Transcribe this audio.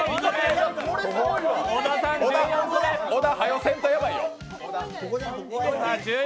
小田、はよせんとヤバいよ。